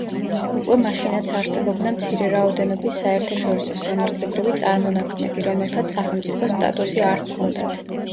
უკვე მაშინაც არსებობდა მცირე რაოდენობის საერთაშორისო სამართლებრივი წარმონაქმნები, რომელთაც სახელმწიფოს სტატუსი არ ჰქონდათ.